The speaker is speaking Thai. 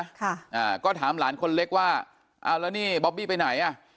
ค่ะอ่าก็ถามหลานคนเล็กว่าเอาแล้วนี่บอบบี้ไปไหนอ่ะ